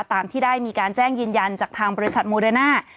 ตามที่ได้มีการแจ้งยืนยันจากทางบริษัทโมเดอร์น่า